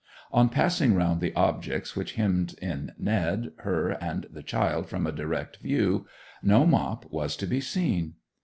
On passing round the objects which hemmed in Ned, her, and the child from a direct view, no Mop was to be seen.